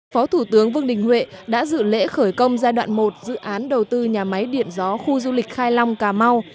phó thủ tướng vương đình huệ đã dự lễ khởi công giai đoạn một dự án đầu tư nhà máy điện gió khu du lịch khai long cà mau